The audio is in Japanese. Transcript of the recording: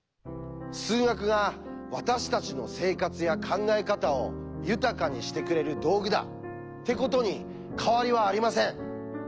数学が私たちの生活や考え方を豊かにしてくれる道具だってことに変わりはありません。